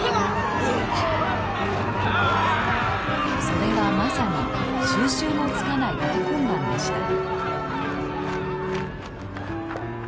それはまさに収拾のつかない大混乱でした。